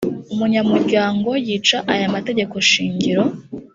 umunyamuryango yica aya mategeko shingiro